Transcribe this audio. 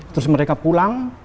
terus mereka pulang